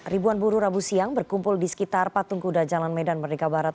ribuan buru rabu siang berkumpul di sekitar patung kuda jalan medan merdeka barat